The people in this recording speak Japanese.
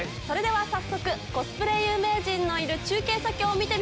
早速コスプレ有名人のいる中継先を見てみましょう。